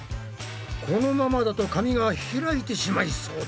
このままだと紙が開いてしまいそうだ。